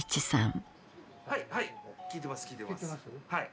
はい。